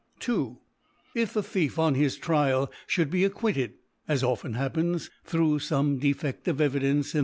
• «2. If the Thief on hjis Trial ihould be acquitted, as often happens through fome DefeA of Evidence in